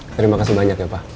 terima kasih banyak ya pak